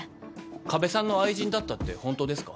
加部さんの愛人だったってホントですか？